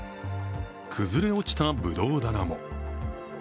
崩れ落ちたぶどう棚も。